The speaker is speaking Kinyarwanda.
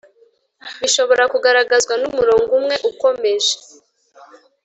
bishobora kugaragazwa n'umurongo umwe ukomeje